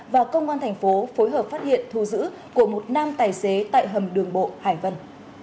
và công an thành phố phối hợp phát hiện thu giữ của một nam tài xế tại hầm đường bộ hải vân